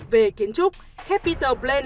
về kiến trúc capitol plain